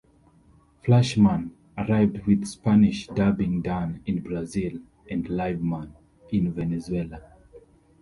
"Flashman" arrived with Spanish dubbing done in Brazil and "Liveman" in Venezuela.